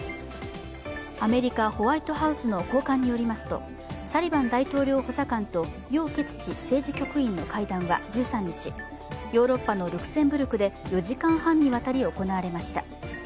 アメリカ・ホワイトハウスの高官によりますと、サリバン大統領補佐官と楊潔チ政治局員の会談は１３日、ヨーロッパのルクセンブルクで４時間半にわたり行われました。